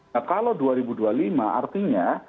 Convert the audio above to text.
nah kalau dua ribu dua puluh lima artinya